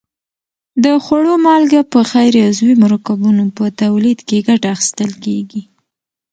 د خوړو مالګه په غیر عضوي مرکبونو په تولید کې ګټه اخیستل کیږي.